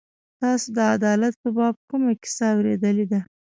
تاسو د عدالت په باب کومه کیسه اورېدلې ده.